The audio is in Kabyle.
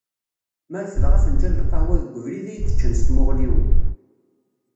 Ma refdeɣ afenǧal n lqahwa deg ubrid ad iyi-d-ččen s tmuɣliwin.